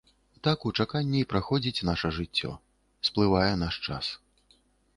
Так у чаканні і праходзіць наша жыццё, сплывае наш час.